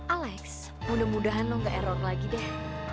alex mudah mudahan lo gak error lagi deh